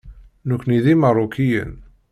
Nekkni d Imeṛṛukiyen.